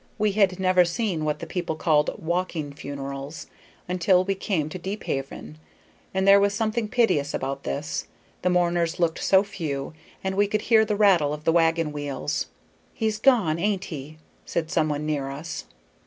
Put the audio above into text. We had never seen what the people called "walking funerals" until we came to Deephaven, and there was something piteous about this; the mourners looked so few, and we could hear the rattle of the wagon wheels. "He's gone, ain't he?" said some one near us.